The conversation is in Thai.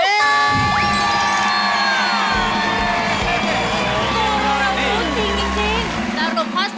ตัวเรารู้จริงจริง